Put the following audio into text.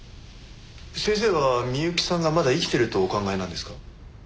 先生は美雪さんがまだ生きてるとお考えなんですか？